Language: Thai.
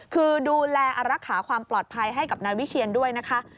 คือดูแลรักษาความปลอดภัยให้กับนายวิเชียนด้วยนะคะ